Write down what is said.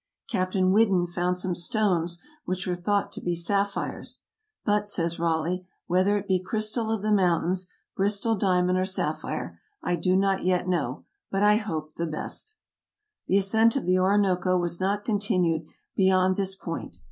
Captain Whiddon found some stones which were thought to be sapphires; "but, " says Raleigh, "whether it be crystal of the mountains, Bristol diamond, or sapphire, I do not yet know, but I hope the best." The ascent of the Orinoco was not continued beyond this point.